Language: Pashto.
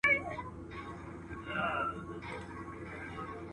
ستا کاڼي بوټي شهيدان دي